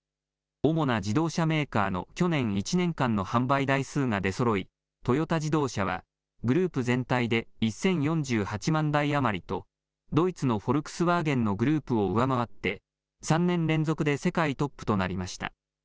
主な自動車メーカーの去年１年間の販売台数が出そろい、トヨタ自動車は、グループ全体で１０４８万台余りと、ドイツのフォルクスワーゲンのグループを上回って、３年連続で世界トップとなりました。